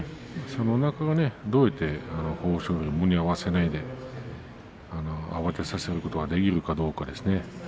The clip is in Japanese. どうやって豊昇龍は胸を合わせないで慌てさせることができるかどうかですね。